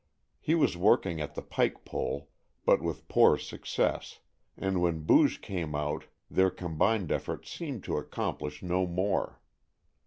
He was working at the pike pole, but with poor success, and when Booge came out their combined efforts seemed to accomplish no more.